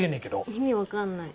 意味わかんない。